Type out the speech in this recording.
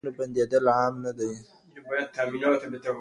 د رګونو بندېدل عام نه دي.